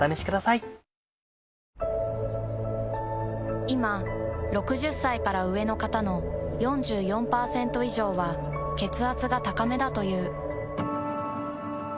いま６０歳から上の方の４４％以上は血圧が高めだという。